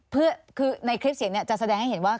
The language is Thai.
คือในคลิปเสียงเนี่ยจะแสดงให้เห็นว่า